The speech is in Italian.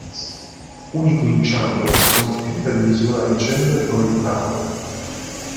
Unico inciampo la sconfitta di misura a dicembre con il Prato.